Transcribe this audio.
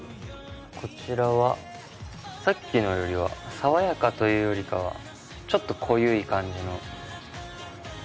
こちらはさっきのよりは爽やかというよりかはちょっと濃ゆい感じの。